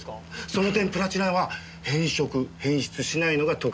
その点プラチナは変色変質しないのが特徴だから。